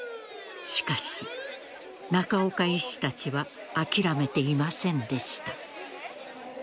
しかし、中岡医師たちは諦めていませんでした。